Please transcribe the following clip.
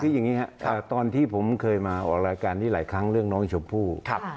คืออย่างนี้ครับตอนที่ผมเคยมาออกรายการนี้หลายครั้งเรื่องน้องชมพู่